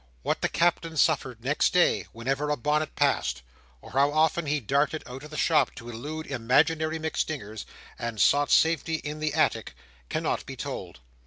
What the Captain suffered next day, whenever a bonnet passed, or how often he darted out of the shop to elude imaginary MacStingers, and sought safety in the attic, cannot be told.